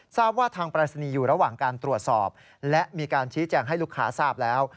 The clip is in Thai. ทราบว่าทางปรายศนีย์อยู่ระหว่างการตรวจสอบและมีการชี้แจงให้ลูกค้าทราบแล้ว